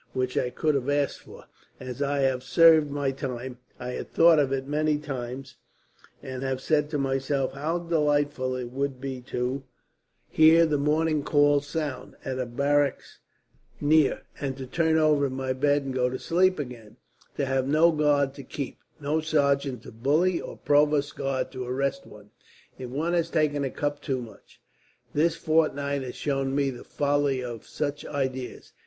which I could have asked for, as I have served my time. I had thought of it, many times; and had said to myself how delightful it would be to hear the morning call sound, at a barracks near, and to turn over in my bed and go to sleep again; to have no guard to keep, no sergeant to bully or provost guard to arrest one, if one has taken a cup too much. This fortnight has shown me the folly of such ideas.